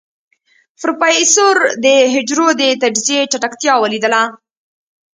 پروفيسر د حجرو د تجزيې چټکتيا وليدله.